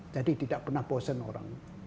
jadi tidak pernah bosan orang